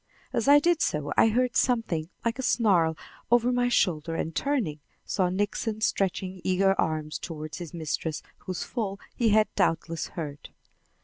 As I did so I heard something like a snarl over my shoulder, and, turning, saw Nixon stretching eager arms toward his mistress, whose fall he had doubtless heard.